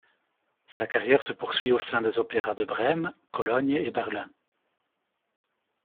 Sa carrière se poursuit au sein des opéra de Brème, Cologne et Berlin.